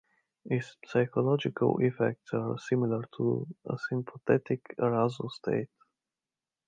Its physiological effects are similar to a sympathetic arousal state.